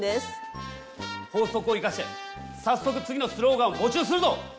法則を生かして早速次のスローガンを募集するぞ！